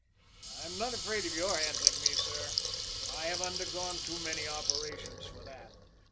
"I'm not afraid of your handling me, sir. I have undergone too many operations for that!"